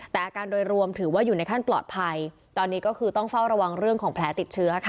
แต่อาการโดยรวมถือว่าอยู่ในขั้นปลอดภัยตอนนี้ก็คือต้องเฝ้าระวังเรื่องของแผลติดเชื้อค่ะ